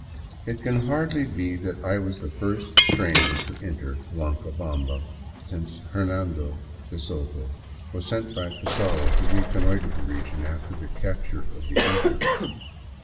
It can hardly be that I was the first stranger to enter Huancabamba since Hernando de Soto was sent by Pizarro to reconnoiter the region after the capture of the Inca.